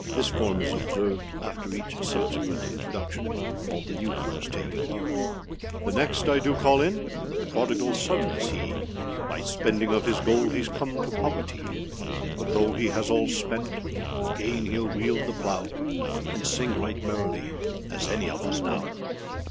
This form is observed after each subsequent introduction, all the new comers taking apart. The next I do call in, The prodigal son is he; By spending of his gold Heâs come to poverty. But though he all has spent, Again heâll wield the plow, And sing right merrily As any of us now.